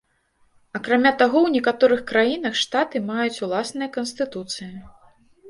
Акрамя таго, у некаторых краінах штаты маюць уласныя канстытуцыі.